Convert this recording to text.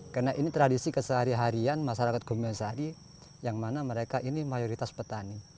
karena ini tradisi kesehari harian masyarakat kompensasi yang mana mereka ini mayoritas petani